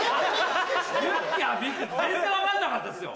全然分かんなかったっすよ。